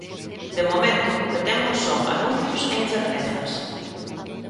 De momento, o que temos son anuncios e incertezas.